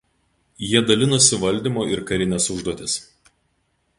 Jie dalinosi valdymo ir karines užduotis.